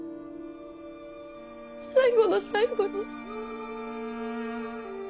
最後の最後に。